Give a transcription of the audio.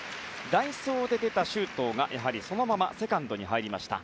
代走で出た周東がそのままセカンドに入りました。